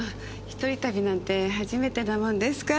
一人旅なんて初めてなもんですから。